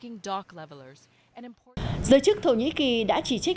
giới chức thổ nhĩ kỳ đã chỉ trích